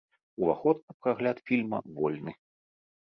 Уваход на прагляд фільма вольны.